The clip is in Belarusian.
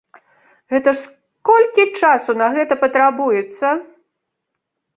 Гэта ж колькі часу на гэта патрабуецца?